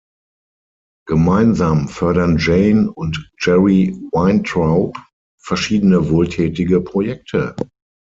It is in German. Gemeinsam fördern Jane und Jerry Weintraub verschiedene wohltätige Projekte.